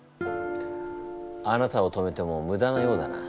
あなたを止めてもむだなようだな。